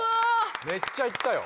めっちゃ行ったよ。